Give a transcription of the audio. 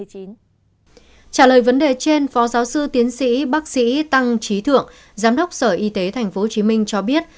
trả lời vấn đề trên phó giáo sư tiến sĩ bác sĩ tăng trí thượng giám đốc sở y tế tp hcm cho biết